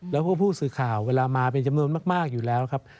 แล้วก็ผู้สื่อข่าวเวลามาเป็นจำนวนมากอยู่แล้วครับ